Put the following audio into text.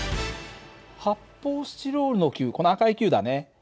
発泡スチロールの球この赤い球だね。